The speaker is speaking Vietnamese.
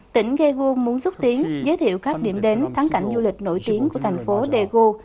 tỉnh daegu muốn xuất tiến giới thiệu các điểm đến thắng cảnh du lịch nổi tiếng của thành phố daegu